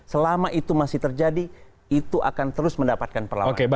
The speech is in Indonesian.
selama itu masih terjadi itu akan terus mendapatkan perlawanan